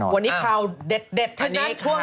วันนี้ข่าวเด็ดถึงนัทช่วงแรก